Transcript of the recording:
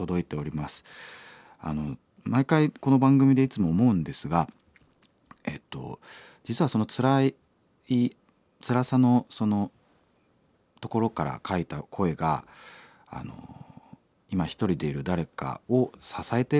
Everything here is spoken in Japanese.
毎回この番組でいつも思うんですがえっと実はそのつらいつらさのところから書いた声が今一人でいる誰かを支えている。